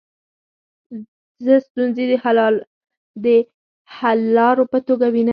زه ستونزي د حللارو په توګه وینم.